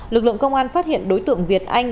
lực lượng công an phát hiện đối tượng việt anh